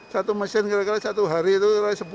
satu mesin kira kira satu hari itu